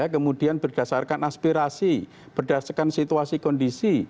kemudian berdasarkan aspirasi berdasarkan situasi kondisi